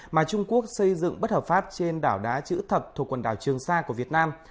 mà trung quốc xây dựng bất hợp pháp trên đảo đá chữ thập thuộc quần đảo trường sa của việt nam